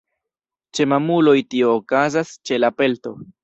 Ĉe mamuloj tio okazas ĉe la pelto.